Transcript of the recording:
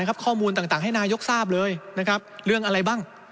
ข้อมูลต่างให้นายกทราบเลยนะครับเรื่องอะไรบ้าง